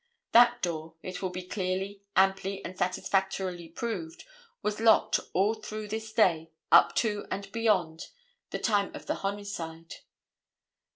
That door, it will be clearly, amply and satisfactorily proved, was locked all through this day up to and beyond the time of the homicide.